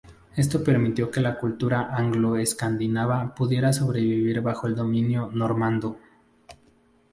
Esto permitió que la cultura anglo-escandinava pudiera sobrevivir bajo el dominio normando.